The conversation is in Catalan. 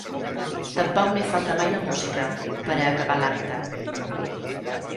Tampoc no hi falta mai la música, per a acabar l’acte.